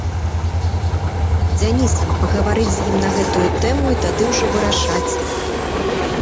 Дзянісам, пагаварыць з ім на гэтую тэму і тады ўжо вырашаць.